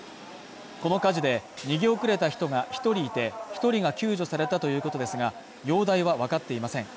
この火事で逃げ遅れた人が１人いて、１人が救助されたということですが、容体はわかっていません。